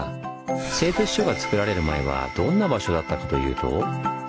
製鐵所がつくられる前はどんな場所だったかというと。